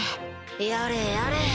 やれやれ